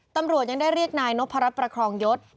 ตำรวจยังได้เรียกนายนพรัชประครองยศ